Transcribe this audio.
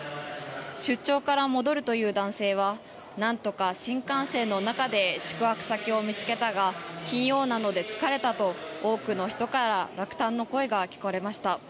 出張から戻るという男性は何とか新幹線の中で宿泊先を見つけたが金曜日なので疲れたと多くの人から落胆の声が聞かれました。